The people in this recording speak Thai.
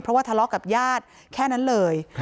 เพราะว่าทะเลาะกับญาติแค่นั้นเลย